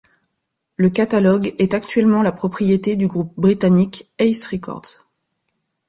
Le catalogue est actuellement la propriété du groupe britannique Ace Records.